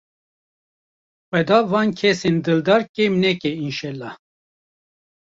Xweda van kesên dildar kêm neke înşellah.